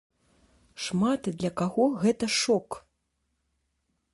Шмат для каго гэта шок!